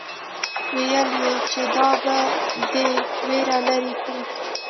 ويل يې چې دا به دې وېره لري کړي.